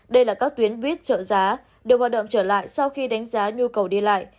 đây là các tuyến buýt trợ giá đều hoạt động trở lại sau khi đánh giá nhu cầu đi lại